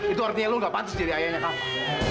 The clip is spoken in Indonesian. itu artinya lu gak patut jadi ayahnya kava